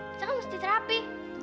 kita kan mesti terapi